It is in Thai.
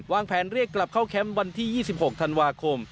แผนเรียกกลับเข้าแคมป์วันที่๒๖ธันวาคม